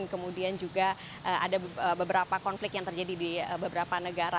kemudian juga ada beberapa konflik yang terjadi di beberapa negara